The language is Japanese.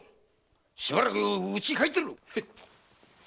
しばらく家に帰ってろ！